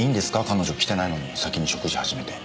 彼女来てないのに先に食事始めて。